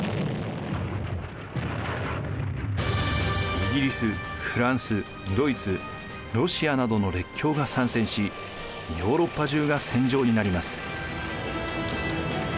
イギリスフランスドイツロシアなどの列強が参戦しヨーロッパ中が戦場になります。